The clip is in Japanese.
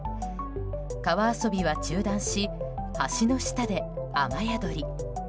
川遊びは中断し橋の下で、雨宿り。